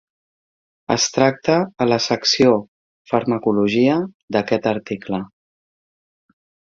Es tracta a la secció Farmacologia d'aquest article.